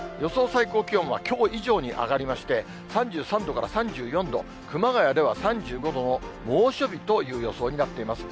最高気温はきょう以上に上がりまして、３３度から３４度、熊谷では３５度の猛暑日という予想になっています。